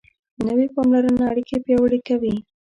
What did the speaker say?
نوې پاملرنه اړیکې پیاوړې کوي